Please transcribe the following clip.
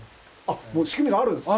もう仕組みがあるんですね。